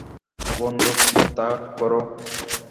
বন্দুক তাক করো।